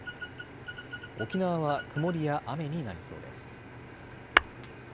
沖縄は曇りや雨になりそうです。